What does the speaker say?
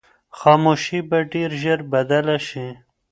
خاموشي به ډېر ژر بدله شي.